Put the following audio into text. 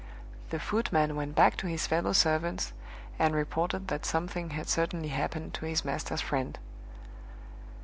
The footman went back to his fellow servants, and reported that something had certainly happened to his master's friend.